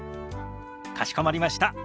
かしこまりました。